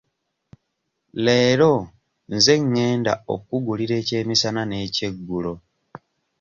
Leero nze ngenda okkugulira ekyemisana n'ekyeggulo.